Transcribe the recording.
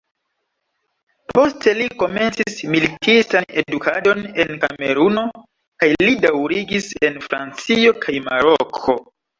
Poste li komencis militistan edukadon en Kameruno kaj li daŭrigis en Francio kaj Maroko.